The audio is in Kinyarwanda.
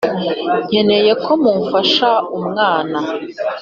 nkeneye ko mumfasha umwana